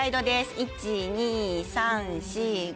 １・２・３・４・５。